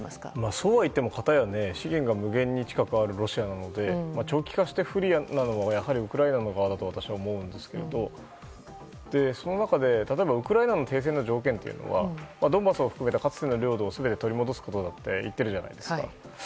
そうはいっても、かたや資源が無限に近くあるロシアなので長期化して不利なのはやはりウクライナ側だと私は思うんですけどもその中で、例えばウクライナの停戦の条件というのはドンバスを含めたかつての領土を取り戻すことだと言っているじゃないですか。